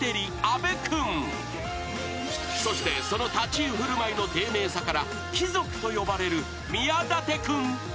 ［そしてその立ち居振る舞いの丁寧さから貴族と呼ばれる宮舘君］